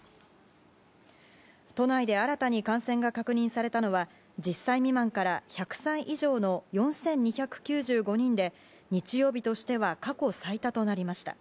都内で新たに感染が確認されたのは１０歳未満から１００歳以上の４２９５人で日曜日としては過去最多となりました。